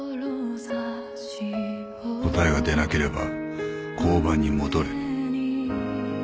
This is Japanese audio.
答えが出なければ交番に戻れ。